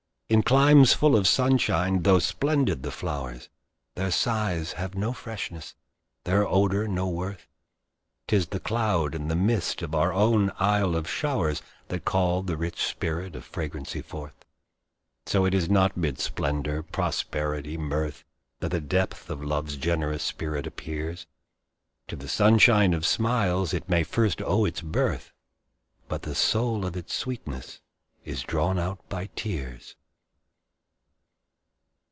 In climes full of sunshine, tho' splendid the flowers, Their sighs have no freshness, their odor no worth; 'Tis the cloud and the mist of our own Isle of showers, That call the rich spirit of fragrancy forth. So it is not mid splendor, prosperity, mirth, That the depth of Love's generous spirit appears; To the sunshine of smiles it may first owe its birth, But the soul of its sweetness is drawn out by tears.